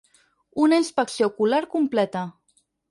Una inspecció ocular completa.